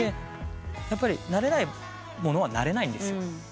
やっぱりなれないものはなれないんですよ。